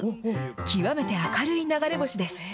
極めて明るい流れ星です。